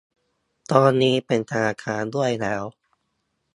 ตอนนี้เป็นธนาคารด้วยแล้ว